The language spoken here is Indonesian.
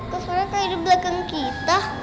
kok sorenya kan ada di belakang kita